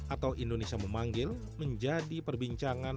atau indonesia memanggil menjadi perbincangan